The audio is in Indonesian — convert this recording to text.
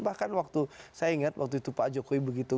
bahkan waktu saya ingat waktu itu pak jokowi begitu